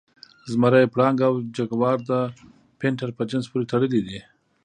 زمری، پړانګ او جګوار د پینتر په جنس پورې تړلي دي.